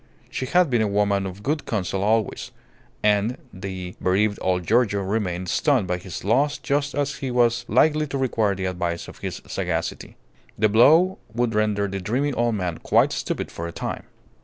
She had been a woman of good counsel always. And the bereaved old Giorgio remained stunned by his loss just as he was likely to require the advice of his sagacity. The blow would render the dreamy old man quite stupid for a time.